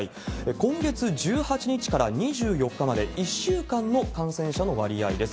今月１８日から２４日まで、１週間の感染者の割合です。